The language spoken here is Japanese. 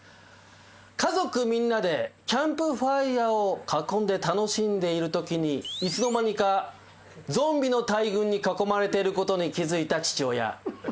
家族みんなでキャンプファイアを囲んで楽しんでいる時にいつの間にかゾンビの大群に囲まれている事に気付いた父親。